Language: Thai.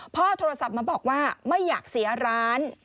พ่อโทรศัพท์มาบอกว่าไม่อยากเสียร้าน